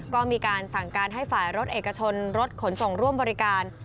ก็มีการสั่งการให้ฝ่ายรถเอกชนรถขนส่งร่วมบริการ